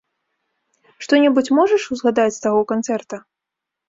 Што-небудзь можаш узгадаць з таго канцэрта?